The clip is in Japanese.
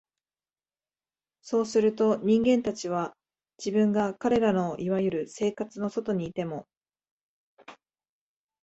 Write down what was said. そうすると、人間たちは、自分が彼等の所謂「生活」の外にいても、